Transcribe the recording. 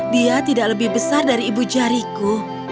dia tidak lebih besar dari ibu jariku